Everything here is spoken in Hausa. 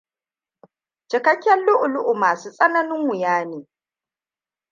Cikakken lu'u-lu'u masu tsananin wuya ne.